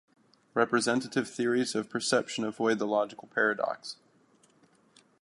Representative theories of perception avoid the logical paradox